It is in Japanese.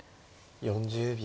４０秒。